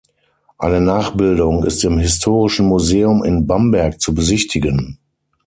Eine Nachbildung ist im Historischen Museum in Bamberg zu besichtigen.